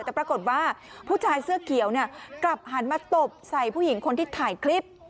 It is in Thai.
แต่ปรากฏว่าผู้ชายเสื้อเขียวเนี่ยกลับหันมาตบใส่ผู้หญิงคนที่ถ่ายคลิป